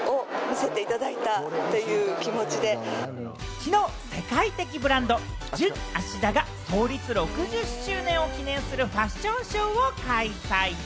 きのう、世界的ブランド・ｊｕｎａｓｈｉｄａが創立６０周年を記念するファッションショーを開催。